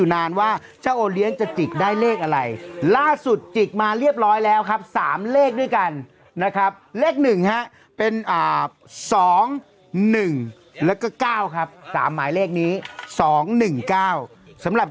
นะครับเลขหนึ่งฮะเป็น๒๑แล้วก็๙ครับ๓หมายเลขนี้๒๑๙สำหรับ